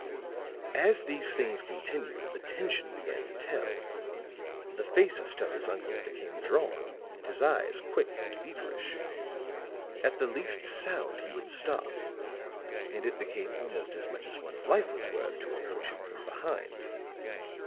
"As these things continued, the tension began to tell; the face of Stella's uncle became drawn and his eyes quick and feverish. At the least sound he would start; and it became almost as much as one's life was worth to approach him from behind.